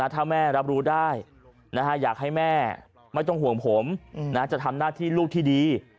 ถ้าแม่รับรู้ได้อยากให้แม่ไม่ต้องห่วงผมจะทำหน้าที่ลูกที่ดี